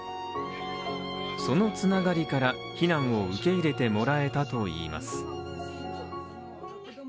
その繋がりから避難を受け入れてもらえたといいます。